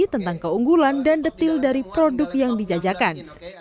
tentang keunggulan dan detil dari produk yang dijajakan